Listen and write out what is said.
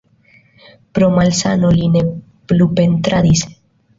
Pro malsano li ne plu pentradis.